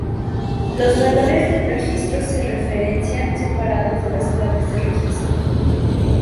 Los valores del registro se referencian separados de las claves de registro.